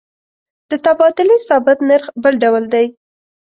د تبادلې ثابت نرخ بل ډول دی.